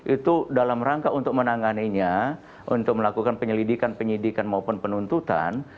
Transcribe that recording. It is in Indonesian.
itu dalam rangka untuk menanganinya untuk melakukan penyelidikan penyidikan maupun penuntutan